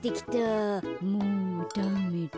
もうダメだ。